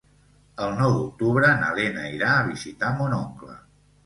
El nou d'octubre na Lena irà a visitar mon oncle.